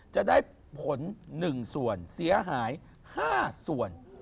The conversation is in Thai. จะได้ผล๑ส่วนเสียหาย๕ส่วน